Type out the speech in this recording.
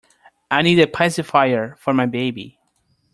I need a pacifier for my baby.